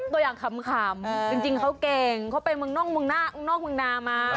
ตัวเองคำจริงเขาเก่งก็ไปเมืองนอกเมืองนามา